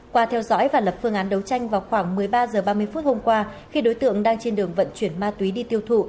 qua theo dõi và lập phương án đấu tranh vào khoảng một mươi ba h ba mươi phút hôm qua khi đối tượng đang trên đường vận chuyển ma túy đi tiêu thụ